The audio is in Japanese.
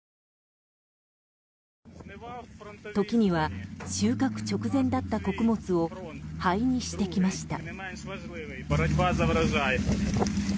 時には収穫直前だった穀物を灰にしてきました。